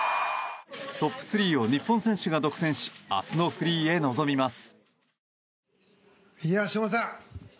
トップ３を日本人選手が独占し明日のフリーへ臨みます。